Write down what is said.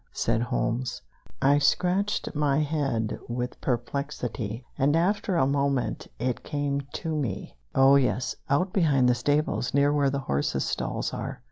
said Holmes. I scratched my head with perplexity, and after a moment it came to me: "Oh, yes; out behind the stables, near where the horses' stalls are.